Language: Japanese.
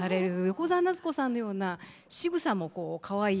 横澤夏子さんのようなしぐさもかわいい。